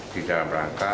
di dalam rangka